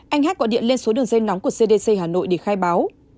anh hát gọi điện lên số đường dây nóng của cdc hà nội để khai báo